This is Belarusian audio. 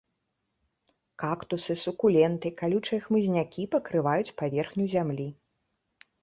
Кактусы, сукуленты, калючыя хмызнякі пакрываюць паверхню зямлі.